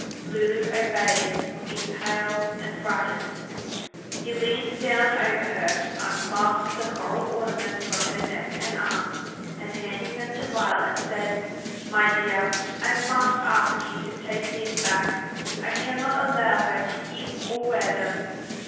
Lulu obeyed, looking pale and frightened. He leaned down over her, unclasped the coral ornaments from her neck and arms, and handing them to Violet, said, "My dear, I must ask you to take these back. I cannot allow her to keep or wear them."